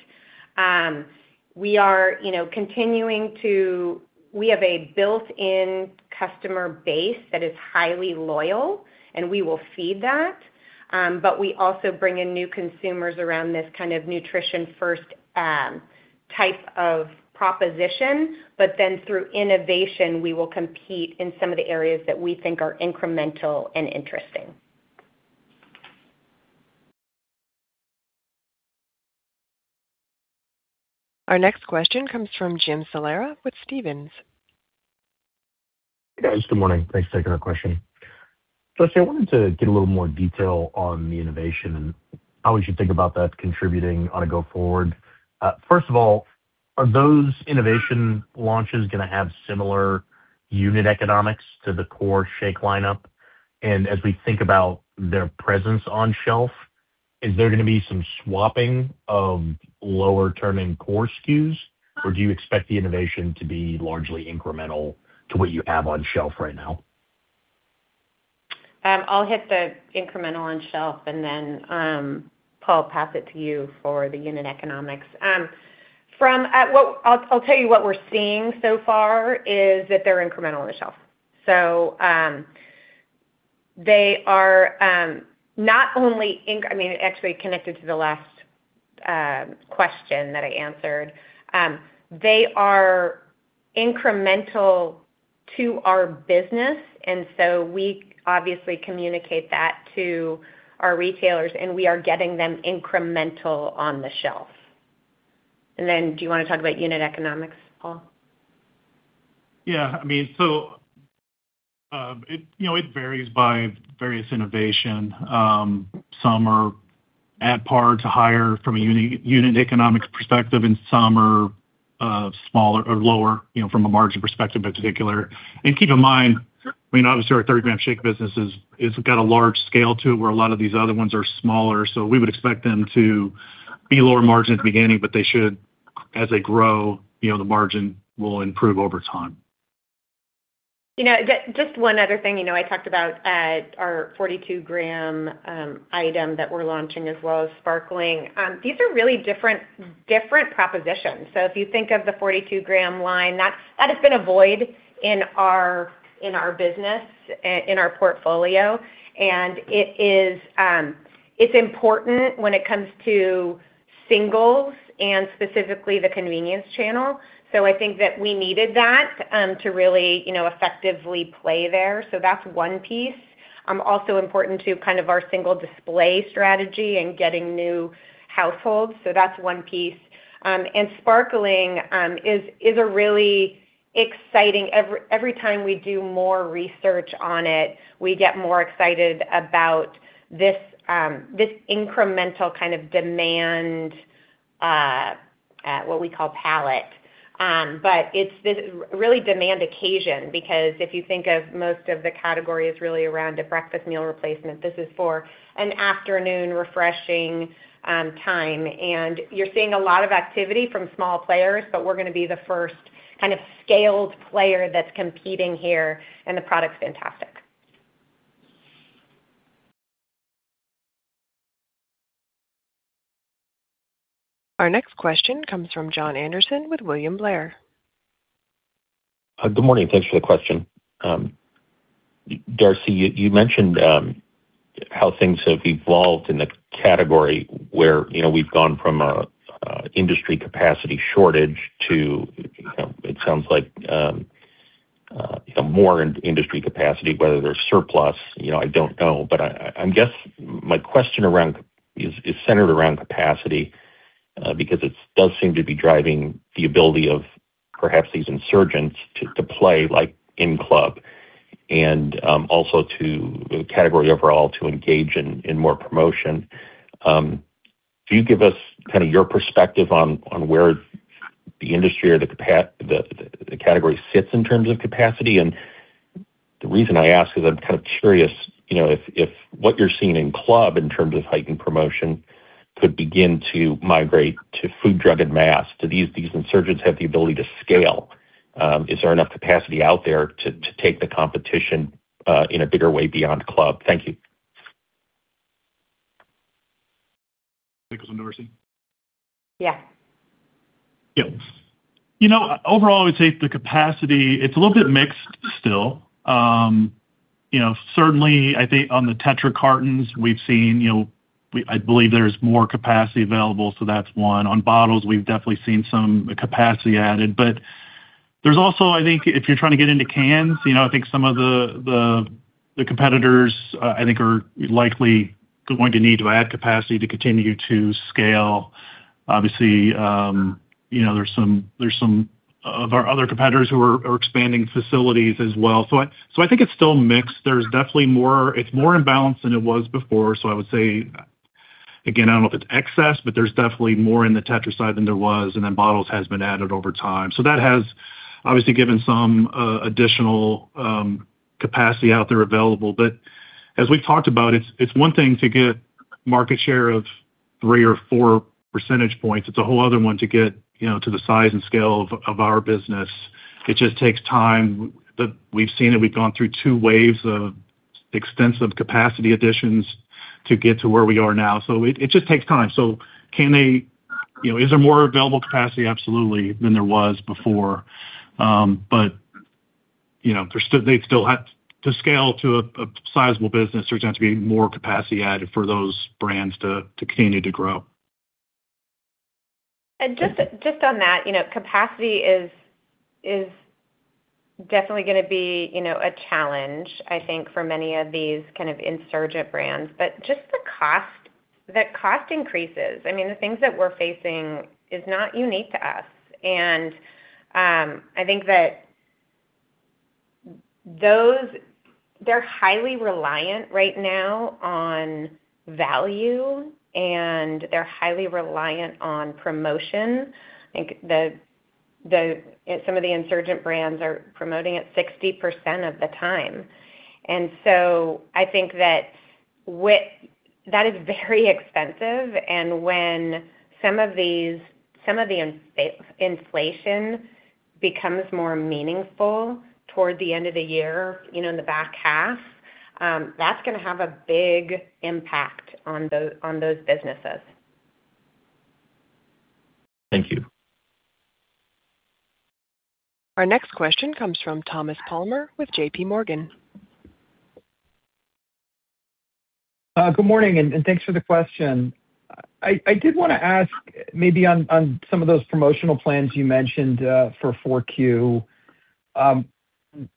We have a built-in customer base that is highly loyal, and we will feed that. We also bring in new consumers around this kind of nutrition first, type of proposition. Through innovation, we will compete in some of the areas that we think are incremental and interesting. Our next question comes from Jim Salera with Stephens. Yes, good morning. Thanks for taking our question. I wanted to get a little more detail on the innovation and how we should think about that contributing on a go forward. First of all, are those innovation launches going to have similar unit economics to the core shake lineup? As we think about their presence on shelf, is there going to be some swapping of lower turning core SKUs? Do you expect the innovation to be largely incremental to what you have on shelf right now? I'll hit the incremental on the shelf and then, Paul, pass it to you for the unit economics. I'll tell you what we're seeing so far is that they're incremental on the shelf. They are, not only I mean, actually connected to the last question that I answered. They are incremental to our business, we obviously communicate that to our retailers, we are getting them incremental on the shelf. Do you wanna talk about unit economics, Paul? Yeah. I mean, you know, it varies by various innovation. Some are at par to higher from a unit economics perspective, and some are smaller or lower, you know, from a margin perspective in particular. Keep in mind, I mean, obviously our 30 g shake business is got a large scale to it, where a lot of these other ones are smaller. We would expect them to be lower margin at the beginning, but they should, as they grow, you know, the margin will improve over time. You know, just one other thing. You know, I talked about our 42 g item that we're launching, as well as sparkling. These are really different propositions. If you think of the 42 g line, that's been a void in our business, in our portfolio. It is important when it comes to singles and specifically the convenience channel. I think that we needed that to really, you know, effectively play there. That's one piece. Also important to kind of our single display strategy and getting new households. That's one piece. Sparkling is a really exciting. Every time we do more research on it, we get more excited about this incremental kind of demand, what we call palate. It's this really demand occasion because if you think of most of the category is really around a breakfast meal replacement, this is for an afternoon refreshing time. You're seeing a lot of activity from small players, but we're going to be the first kind of scaled player that's competing here, and the product's fantastic. Our next question comes from Jon Andersen with William Blair. Good morning. Thanks for the question. Darcy, you mentioned how things have evolved in the category where, you know, we've gone from a industry capacity shortage to, it sounds like, more in-industry capacity, whether there's surplus, you know, I don't know. I guess my question is centered around capacity because it does seem to be driving the ability of perhaps these insurgents to play like in club and also to the category overall to engage in more promotion. Can you give us kind of your perspective on where the industry or the category sits in terms of capacity? The reason I ask is I'm kind of curious, you know, if what you're seeing in club in terms of heightened promotion could begin to migrate to food, drug, and mass. Do these insurgents have the ability to scale? Is there enough capacity out there to take the competition in a bigger way beyond club? Thank you. Take this one, Darcy. Yeah. Yeah. You know, overall I would say the capacity, it's a little bit mixed still. You know, certainly I think on the Tetra cartons we've seen, you know, I believe there's more capacity available, so that's one. On bottles, we've definitely seen some capacity added. There's also, I think if you're trying to get into cans, you know, I think some of the competitors, I think are likely going to need to add capacity to continue to scale. Obviously, you know, there's some of our other competitors who are expanding facilities as well. I think it's still mixed. There's definitely more. It's more imbalanced than it was before. I would say, again, I don't know if it's excess, but there's definitely more in the Tetra side than there was, and then bottles has been added over time. That has obviously given some additional capacity out there available. As we've talked about, it's one thing to get market share of three or four percentage points. It's a whole other one to get, you know, to the size and scale of our business. It just takes time. We've seen it. We've gone through two waves of extensive capacity additions to get to where we are now. It just takes time. You know, is there more available capacity? Absolutely, than there was before. You know, they still have to scale to a sizable business. There's going to have to be more capacity added for those brands to continue to grow. Just on that, you know, capacity is definitely going to be, you know, a challenge, I think for many of these kind of insurgent brands. Just the cost increases. I mean, the things that we're facing is not unique to us. I think that they're highly reliant right now on value, and they're highly reliant on promotion. I think some of the insurgent brands are promoting at 60% of the time. I think that is very expensive. When some of these inflation becomes more meaningful toward the end of the year, you know, in the back half, that's going to have a big impact on those businesses. Thank you. Our next question comes from Thomas Palmer with JPMorgan. Good morning and thanks for the question. I did want to ask maybe on some of those promotional plans you mentioned for Q4.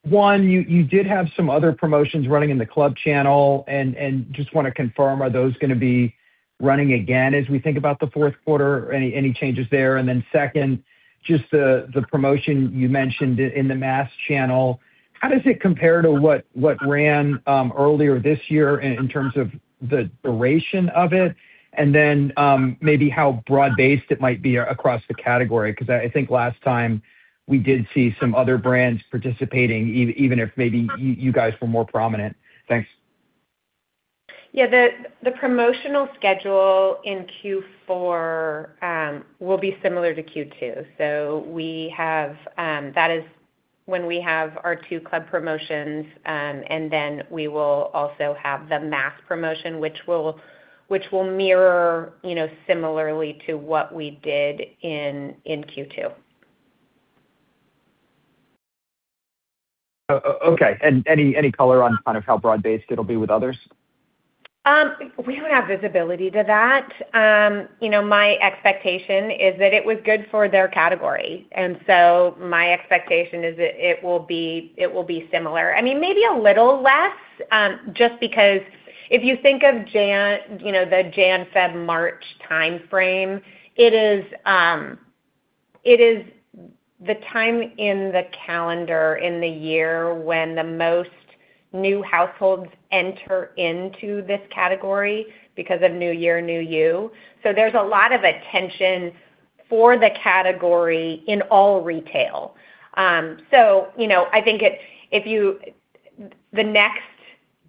One, you did have some other promotions running in the club channel and just want to confirm, are those going to be running again as we think about the fourth quarter? Any changes there? Second, just the promotion you mentioned in the mass channel, how does it compare to what ran earlier this year in terms of the duration of it? Maybe how broad-based it might be across the category? Because I think last time we did see some other brands participating even if maybe you guys were more prominent. Thanks. Yeah. The promotional schedule in Q4 will be similar to Q2. We have that is when we have our 2 club promotions. We will also have the mass promotion, which will mirror, you know, similarly to what we did in Q2. Okay. Any color on kind of how broad-based it'll be with others? We don't have visibility to that. You know, my expectation is that it was good for their category, and my expectation is that it will be similar. I mean, maybe a little less, just because if you think of you know, the January, February, March timeframe, it is the time in the calendar in the year when the most new households enter into this category because of new year, new you. There's a lot of attention for the category in all retail. You know, I think it The next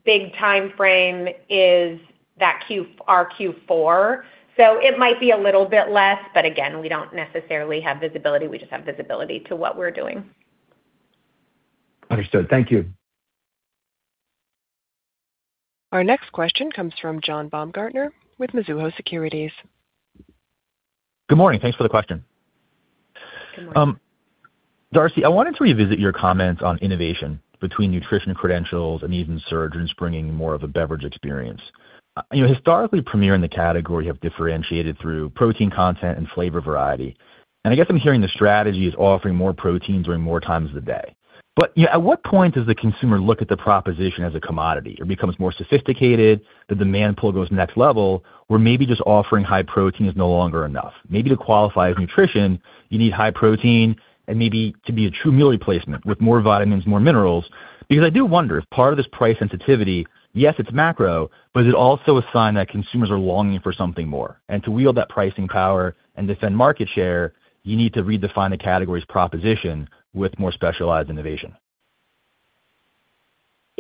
big timeframe is that our Q4. It might be a little bit less, but again, we don't necessarily have visibility. We just have visibility to what we're doing. Understood. Thank you. Our next question comes from John Baumgartner with Mizuho Securities. Good morning. Thanks for the question. Good morning. Darcy, I wanted to revisit your comments on innovation between nutrition credentials and even insurgents bringing more of a beverage experience. You know, historically, Premier in the category have differentiated through protein content and flavor variety, and I guess I'm hearing the strategy is offering more protein during more times of the day. You know, at what point does the consumer look at the proposition as a commodity or becomes more sophisticated, the demand pull goes next level, where maybe just offering high protein is no longer enough? Maybe to qualify as nutrition, you need high protein and maybe to be a true meal replacement with more vitamins, more minerals. I do wonder if part of this price sensitivity, yes, it's macro, but is it also a sign that consumers are longing for something more? To wield that pricing power and defend market share, you need to redefine the category's proposition with more specialized innovation.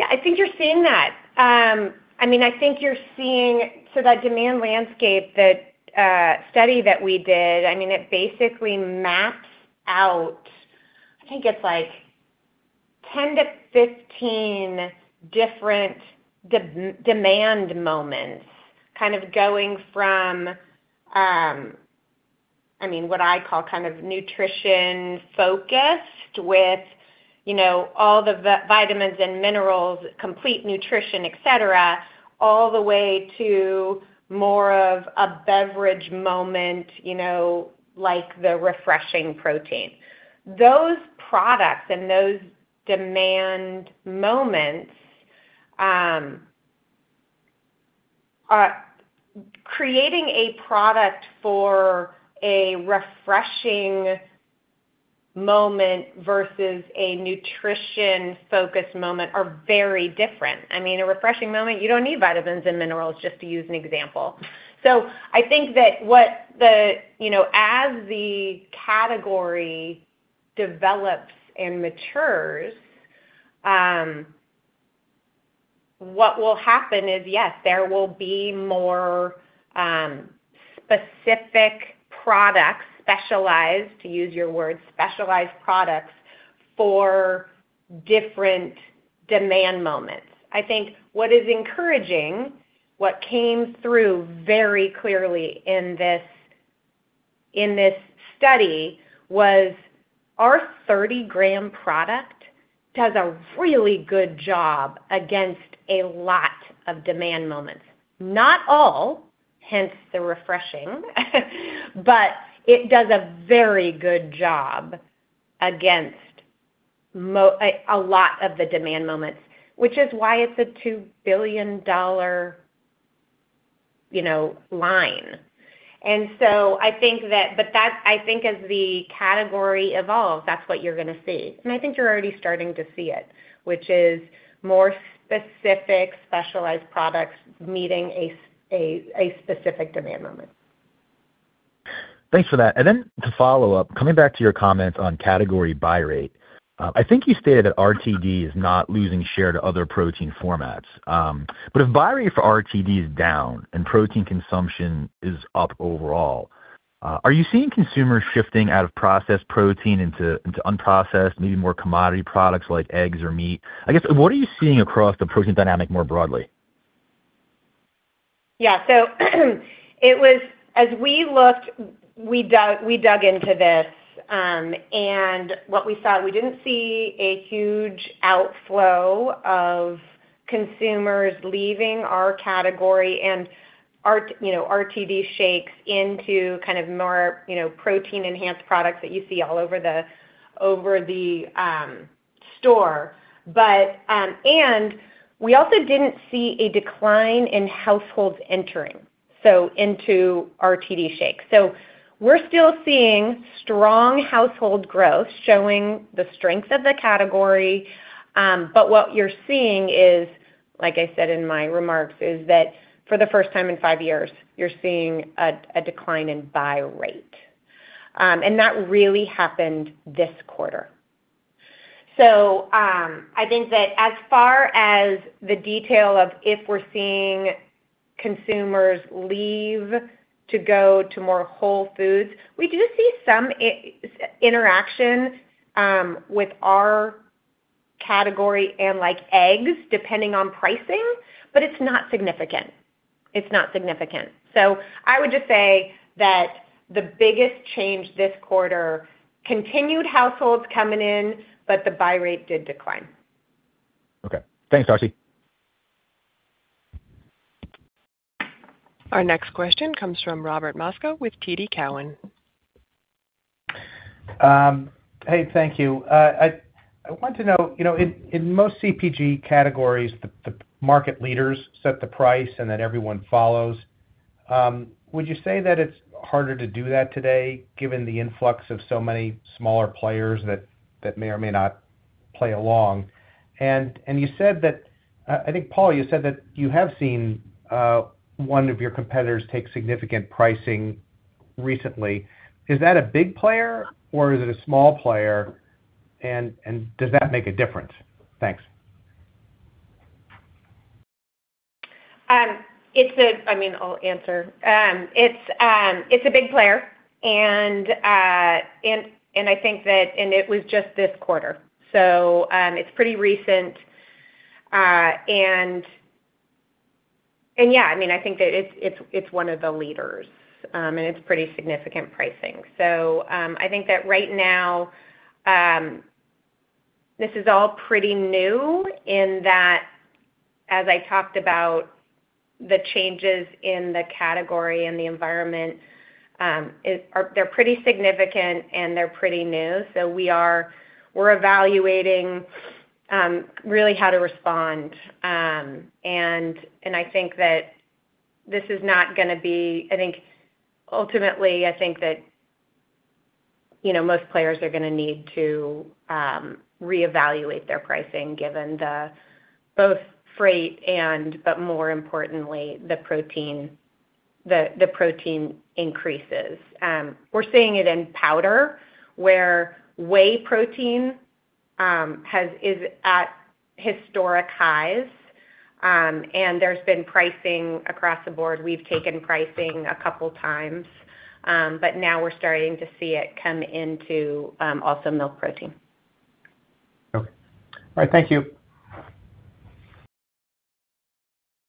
I think you're seeing that. I mean, I think you're seeing that demand landscape that study that we did, I mean, it basically mapped out, I think it's like 10-15 different demand moments, kind of going from, I mean, what I call kind of nutrition-focused with, you know, all the vitamins and minerals, complete nutrition, et cetera, all the way to more of a beverage moment, you know, like the refreshing protein. Those products and those demand moments. Creating a product for a refreshing moment versus a nutrition-focused moment are very different. I mean, a refreshing moment, you don't need vitamins and minerals, just to use an example. I think that what the, you know, as the category develops and matures, what will happen is, yes, there will be more specific products, specialized, to use your word, specialized products for different demand moments. I think what is encouraging, what came through very clearly in this, in this study was our 30 g product does a really good job against a lot of demand moments. Not all, hence the refreshing, but it does a very good job against a lot of the demand moments, which is why it's a $2 billion, you know, line. I think that's, I think as the category evolves, that's what you're gonna see. I think you're already starting to see it, which is more specific specialized products meeting a specific demand moment. Thanks for that. To follow up, coming back to your comments on category buy rate, I think you stated that RTD is not losing share to other protein formats. If buy rate for RTD is down and protein consumption is up overall, are you seeing consumers shifting out of processed protein into unprocessed, maybe more commodity products like eggs or meat? I guess, what are you seeing across the protein dynamic more broadly? As we looked, we dug into this, and what we saw, we didn't see a huge outflow of consumers leaving our category and our, you know, RTD shakes into kind of more, you know, protein enhanced products that you see all over the store. We also didn't see a decline in households entering into RTD shakes. We're still seeing strong household growth, showing the strength of the category. What you're seeing is, like I said in my remarks, is that for the first time in five years, you're seeing a decline in buy rate. That really happened this quarter. I think that as far as the detail of if we're seeing consumers leave to go to more whole foods, we do see some interaction with our category and like eggs, depending on pricing, but it's not significant. It's not significant. I would just say that the biggest change this quarter, continued households coming in, but the buy rate did decline. Okay. Thanks, Darcy. Our next question comes from Robert Moskow with TD Cowen. Hey, thank you. I want to know, you know, in most CPG categories, the market leaders set the price, and then everyone follows. Would you say that it's harder to do that today given the influx of so many smaller players that may or may not play along? You said that, I think, Paul, you said that you have seen one of your competitors take significant pricing recently. Is that a big player or is it a small player? Does that make a difference? Thanks. I'll answer. It's a big player. It was just this quarter. It's pretty recent. I mean, I think that it's one of the leaders. It's pretty significant pricing. I think that right now, this is all pretty new in that as I talked about the changes in the category and the environment, they're pretty significant, and they're pretty new. We're evaluating really how to respond. I think ultimately, I think that, you know, most players are gonna need to reevaluate their pricing given the both freight and, but more importantly, the protein increases. We're seeing it in powder where whey protein is at historic highs, and there's been pricing across the board. We've taken pricing a couple times, but now we're starting to see it come into also milk protein. Okay. All right. Thank you.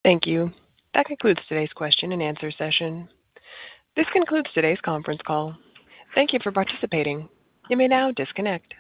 Thank you. That concludes today's question and answer session. This concludes today's conference call. Thank you for participating. You may now disconnect.